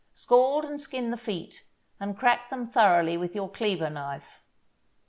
Scald and skin the feet, and crack them thoroughly with your cleaver knife.